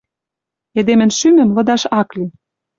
Эдемӹн шӱмӹм лыдаш ак ли